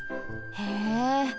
へえ。